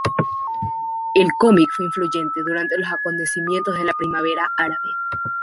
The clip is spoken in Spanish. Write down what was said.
El cómic fue influyente durante los acontecimientos de la primavera árabe.